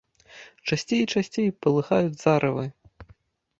Часцей і часцей палыхаюць зарывы.